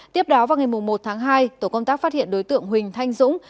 tiếp đó vào ngày một tháng hai tổ công tác phát hiện đối tượng huỳnh thanh dũng